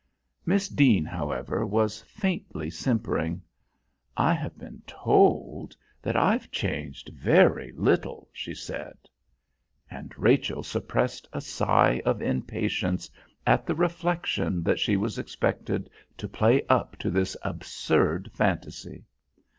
Miss Deane, however, was faintly simpering. "I have been told that I've changed very little," she said; and Rachel suppressed a sigh of impatience at the reflection that she was expected to play up to this absurd fantasy.